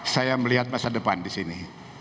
saya melihat masa depan disini